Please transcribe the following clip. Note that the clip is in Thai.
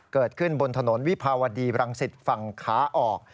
เกิดขึ้นบนถนนวิภาวดีบรังสิตฝั่งขาออก